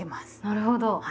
なるほど。